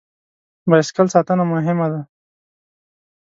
بایسکل ساتنه مهمه ده.